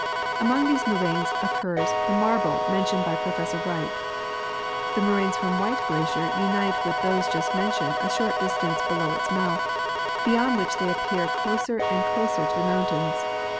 Am.ong these moraines occurs the marble mentioned by Professor Wright. The moraines from White glacier unite with those just mentioned a short distance below its mouth, beyond which they approach closer and closer to the mountains.